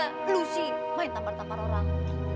lu sih main tampar tampar orang